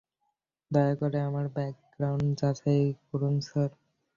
দয়া করে, আমার ব্যাকগ্রাউন্ড যাচাই করুন, স্যার।